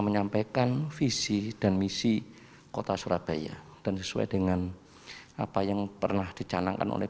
menyampaikan visi dan misi kota surabaya dan sesuai dengan apa yang pernah dicanangkan oleh